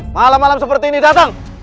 malam malam seperti ini datang